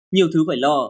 nhiều thứ phải lo